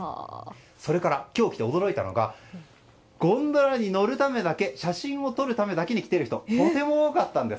それから、今日来て驚いたのがゴンドラに乗るためだけ写真を撮るためだけに来てる人がとても多かったんです。